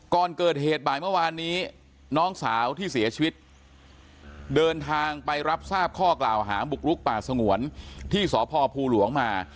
ก่อนเกิดเหตุบ่ายเมื่อวานนี้น้องสาวที่เสียชีวิตเดินทางไปรับทราบข้อกล่าวหาบุกลุกป่าสงวนที่สพภูหลวงมา